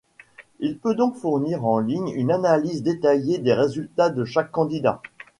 Il peut donc fournir en ligne une analyse détaillée des résultats de chaque candidat.